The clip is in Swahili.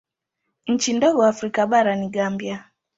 Nchi ndogo Afrika bara ni Gambia.